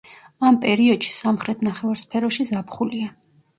ამ პერიოდში სამხრეთ ნახევარსფეროში ზაფხულია.